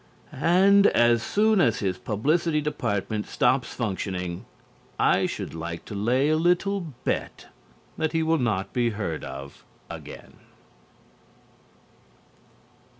And as soon as his publicity department stops functioning, I should like to lay a little bet that he will not be heard of again.